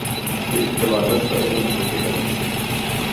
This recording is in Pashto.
دوی د طبابت په علم پوهیدل